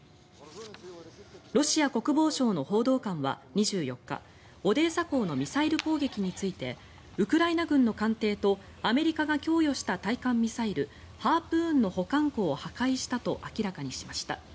ロシア国防省の報道官は２４日オデーサ港のミサイル攻撃についてウクライナ軍の艦艇とアメリカが供与した対艦ミサイル、ハープーンの保管庫を破壊したと明らかにしました。